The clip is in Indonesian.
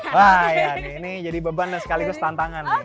wah ya ini jadi beban dan sekaligus tantangan nih